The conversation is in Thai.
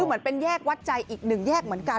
คือเหมือนเป็นแยกวัดใจอีกหนึ่งแยกเหมือนกัน